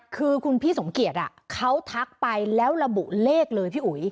คือคุณพี่สมเกียจเขาทักไปแล้วระบุเลขเลยพี่อุ๋ย